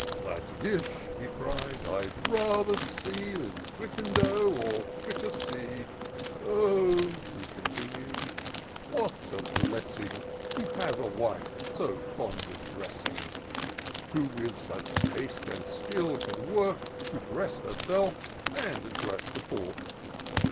" That dish," he cried, " I'd rather see. Than fricandeau or fricassee. Oh," he continued, " what a blessing. To have a wife so fond of dressing ; Who with such taste and skill can work. To dress herself, and dress the pork